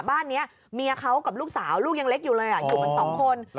บ้านนี้เมียเขากับลูกสาวลูกยังเล็กอยู่เลยอยู่กันสองคน